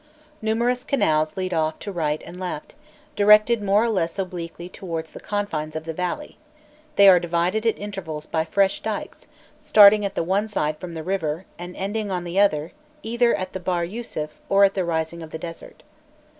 Numerous canals lead off to right and left, directed more or less obliquely towards the confines of the valley; they are divided at intervals by fresh dykes, starting at the one side from the river, and ending on the other either at the Bahr Yusuf or at the rising of the desert.